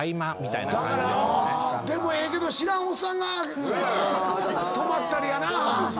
ええけど知らんおっさんが泊まったりやなぁ。